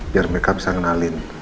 biar mereka bisa kenalin